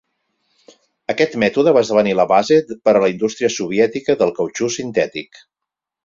Aquest mètode va esdevenir la base per a la indústria soviètica del cautxú sintètic.